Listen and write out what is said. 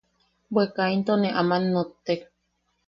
Bwe kainto ne aman nottek...